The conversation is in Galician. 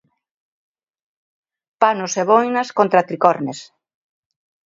Panos e boinas contra tricornes.